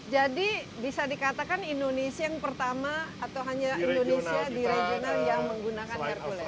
jadi bisa dikatakan indonesia yang pertama atau hanya indonesia di regional yang menggunakan hercules